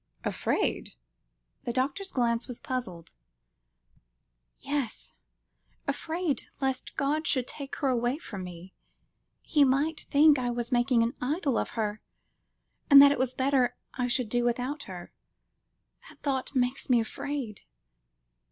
"Afraid?" The doctor's glance was puzzled. "Yes, afraid lest God should take her away from me. He might think I was making an idol of her, and that it was better I should do without her. That thought makes me afraid."